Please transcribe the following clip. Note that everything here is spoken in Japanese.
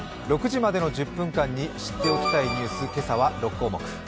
６時までの１０分間に知っておきたいニュース、今朝は６項目。